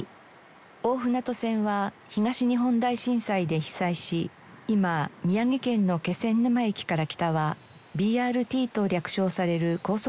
大船渡線は東日本大震災で被災し今宮城県の気仙沼駅から北はＢＲＴと略称される高速バスで運行。